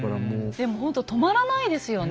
でもほんと止まらないですよね